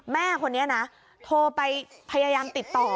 แม่คนนี้นะโทรไปพยายามติดต่อ